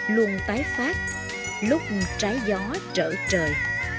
luôn tái phát lúc trái gió trở trời